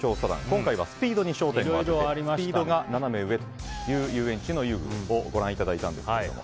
今回はスピードに焦点を当ててスピードがナナメ上という遊園地の遊具をご覧いただいたんですけれども。